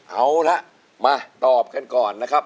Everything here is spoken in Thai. เอาละมาตอบกันก่อนนะครับ